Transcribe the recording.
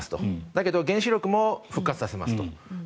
だけど原子力も復活させますと。